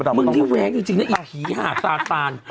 มึงนี่แวะจริงน่ะไอ้เหี้ยซาตาน